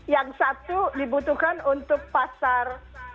yang satu dibutuhkan untuk pasar